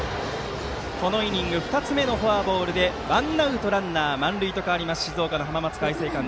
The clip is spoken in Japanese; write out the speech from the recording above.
このイニング２つ目のフォアボールでワンアウト、ランナー満塁と変わりました浜松開誠館。